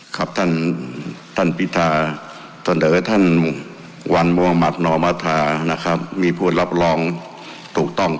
ครับท่านพิธาเสนอท่านวันมุฮมัธนมธนะครับมีพูดรับรองถูกต้องครับ